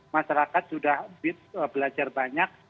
masyarakat sudah belajar banyak